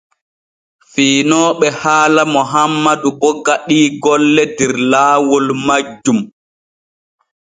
Fiinooɓe haala Mohammadu bo gaɗii golle der laawol majjum.